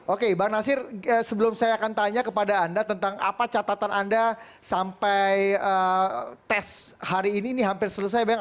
oke bang nasir sebelum saya akan tanya kepada anda tentang apa catatan anda sampai tes hari ini ini hampir selesai bang